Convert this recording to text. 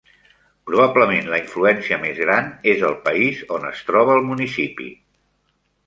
Probablement, la influència més gran és el país on es troba el municipi.